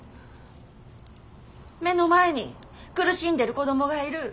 目の前に苦しんでる子供がいる。